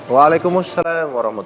waalaikumsalam warahmatullahi wabarakatuh